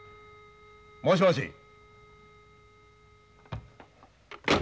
もしもし。